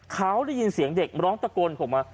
เขาได้ยินเสียงเด็กร้องตะโกนผมมา